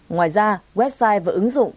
ngoài ra website và ứng dụng